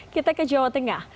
kita ke jawa tengah